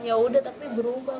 yaudah tapi berubah